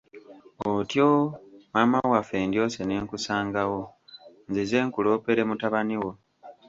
Otyo, maama waffe ndyose ne nkusangawo; nzize nkuloopere mutabani wo.